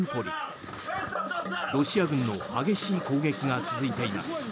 ロシア軍の激しい攻撃が続いています。